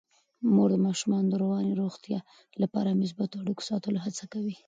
مور د ماشومانو د رواني روغتیا لپاره د مثبتو اړیکو ساتلو هڅه کوي.